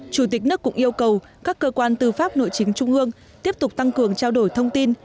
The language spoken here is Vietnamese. chủ tịch nước cũng yêu cầu các cơ quan tư pháp nội chính trung ương tiếp tục tăng cường trao đổi thông tin